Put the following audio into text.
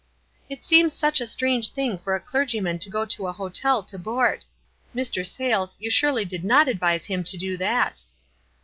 "It seems such a strange thing for a clergyman to go to a hotel to board. Mr. Sayles, you surely did not ad vise him to do that